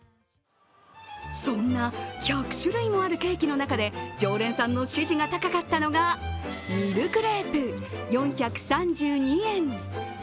そんな１００種類もあるケーキの中で常連さんの支持が高かったのがミルクレープ４３２円。